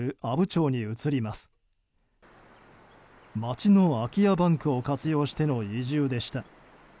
町の空き家バンクを活用しての移住でした。